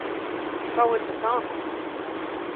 Cá bhfuil do pheann